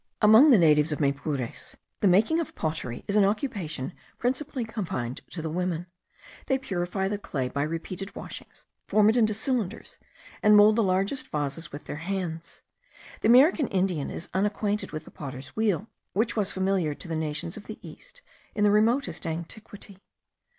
Among the natives of Maypures, the making of pottery is an occupation principally confined to the women. They purify the clay by repeated washings, form it into cylinders, and mould the largest vases with their hands. The American Indian is unacquainted with the potter's wheel, which was familiar to the nations of the east in the remotest antiquity.